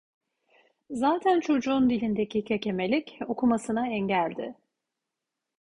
Zaten çocuğun dilindeki kekemelik, okumasına engeldi.